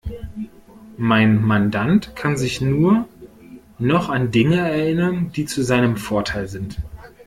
Mein Mandant kann sich nur noch an Dinge erinnern, die zu seinem Vorteil sind.